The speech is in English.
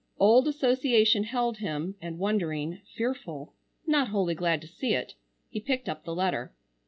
Old association held him, and wondering, fearful, not wholly glad to see it, he picked up the letter.